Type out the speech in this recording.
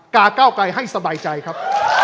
ก่าเก้าไก่ให้สบายใจครับ